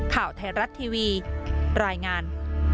ข่าวไทยรัฐทีวีรายงาน